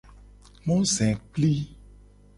Mozekpli.